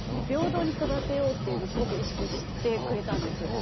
平等に育てようっていうのをすごく意識してくれたんです。